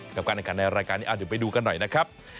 กับการอาการในรายการนี้อาจจะไปดูกันหน่อยนะครับ